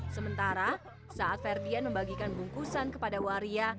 sementara saat ferdian membagikan bungkusan kepada waria